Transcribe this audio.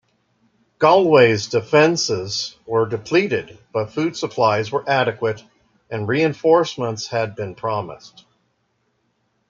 Galways's defences were depleted but food supplies were adequate and reinforcements had been promised.